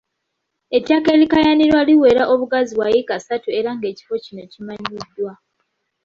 Ettaka erikaayanirwa liwera obugazi bwa yiika ssatu era ng’ekifo kino kimanyiddwa.